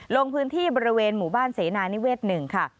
ลงพื้นที่บริเวณหมู่บ้านเสนานิเวศ๑ค่ะ